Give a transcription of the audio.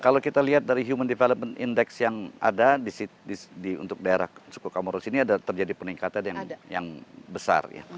kalau kita lihat dari human development index yang ada di untuk daerah suku kamoro sini ada terjadi peningkatan yang besar